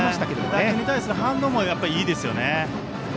打球に対する反応もいいですね。